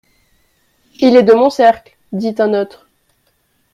Il est de mon cercle, dit un autre.